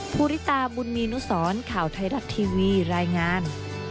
ภูริตาบุญมีนุสรข่าวไทยรัฐทีวีรายงาน